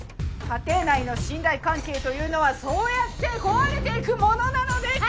家庭内の信頼関係というのはそうやって壊れていくものなのです。